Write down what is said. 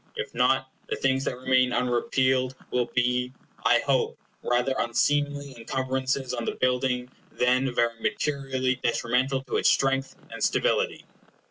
If not, the things that remain unrepealed will be, I hope, rather unseemly incumbrances on the building, than very materially detrimental to its strength and stability.